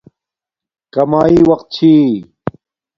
کاماݵ وقت چھی